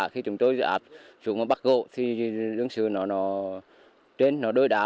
khi chúng tôi bắt gỗ thì lượng sưu nó trên nó đối đạ